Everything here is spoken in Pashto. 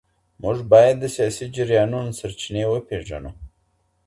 موږ بايد د سياسي جريانونو سرچينې وپېژنو.